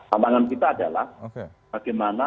pertambangan kita adalah bagaimana